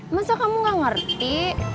masa kamu gak ngerti